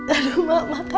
aduh mak makasih mak